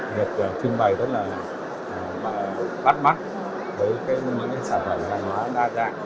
được trưng bày rất là bắt mắt với các sản phẩm hàng hóa đa dạng